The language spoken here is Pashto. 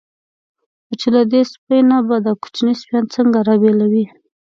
خو چې له دې سپۍ نه به دا کوچني سپیان څنګه را بېلوي.